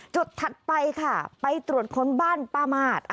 ถัดไปค่ะไปตรวจค้นบ้านป้ามาศ